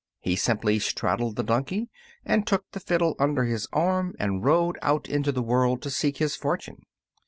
He simply straddled the donkey and took the fiddle under his arm and rode out into the world to seek his fortune.